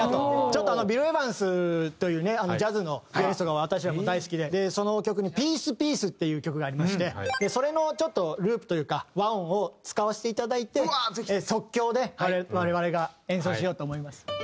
ちょっとビル・エヴァンスというねジャズのピアニストが私らも大好きでその曲に『ＰｅａｃｅＰｉｅｃｅ』っていう曲がありましてそれのちょっとループというか和音を使わせていただいて即興で我々が演奏しようと思います。